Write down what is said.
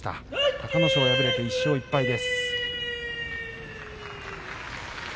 隆の勝は敗れて１勝１敗です。